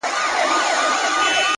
ښكلي دا ستا په يو نظر كي جــادو!!